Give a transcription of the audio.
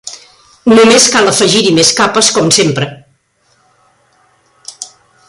Només cal afegir-hi més capes com sempre.